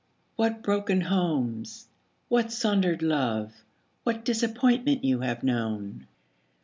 What broken homes, what sundered love, What disappointment you have known!